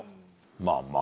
まあまあ。